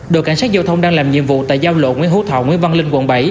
đội cảnh sát giao thông đang làm nhiệm vụ tại giao lộ nguyễn hữu thọ nguyễn văn linh quận bảy